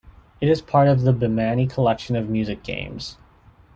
It is part of the Bemani collection of music games.